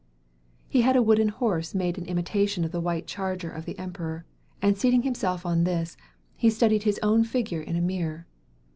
He had a wooden horse made in imitation of the white charger of the Emperor; and seating himself on this, he studied his own figure in a mirror.